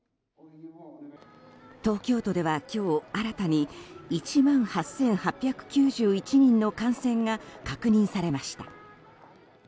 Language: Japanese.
東京都では今日新たに１万８８９１人の感染が確認されました。